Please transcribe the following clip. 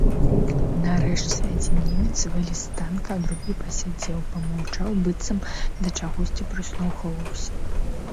Нарэшце адзін немец вылез з танка, а другі пасядзеў, памаўчаў, быццам да чагосьці прыслухоўваўся.